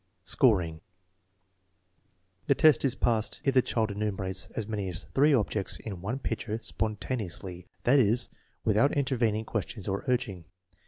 Scoring. The test is passed if the child enumerates as many as three objects in one picture spontaneously; that is, without intervening questions or urging.